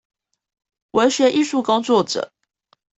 文學藝術工作者